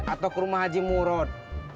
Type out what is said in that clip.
atau ke rumah haji murod